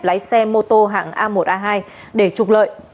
lái xe mô tô hạng a một a hai để trục lợi